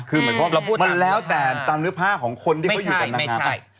คือเหมือนกับมันแล้วแต่ตามเนื้อภาคของคนที่เขาอยู่กันนะ